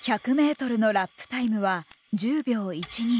１００ｍのラップタイムは１０秒１２。